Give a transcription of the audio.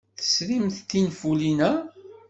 Tesrimt tinfulin-a?